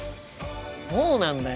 そうなんだよ。